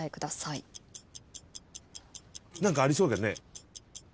何かありそうだね。